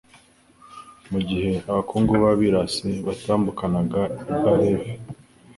Mu gihe abakungu b'abirasi batambukanaga I baleve,